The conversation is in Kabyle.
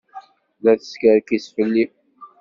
La teskerkis fell-i.